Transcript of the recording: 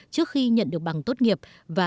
trước khi nhận được bằng tốt nghiệp và